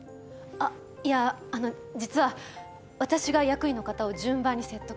あっいやあの実は私が役員の方を順番に説得して。